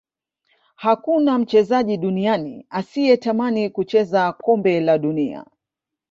hakuna mchezaji duniani asiyetamani kucheza kombe la dunia